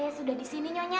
saya sudah disini nyonya